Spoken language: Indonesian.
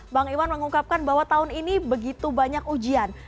bang iwan mengungkapkan bahwa tahun ini begitu banyak ujian